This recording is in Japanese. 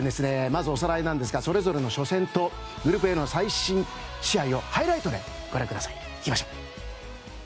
まずおさらいですがそれぞれの初戦とグループＡの最新試合をハイライトでご覧ください。